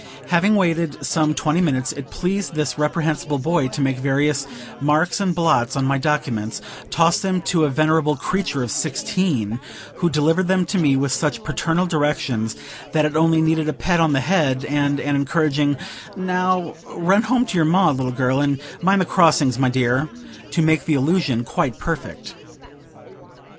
Having waited some twenty minutes, it pleased this reprehensible Boy to make various marks and blots on my documents, toss them to a venerable creature of sixteen, who delivered them to me with such paternal directions, that it only needed a pat on the head and an encouraging "Now run home to your Ma, little girl, and mind the crossings, my dear," to make the illusion quite perfect.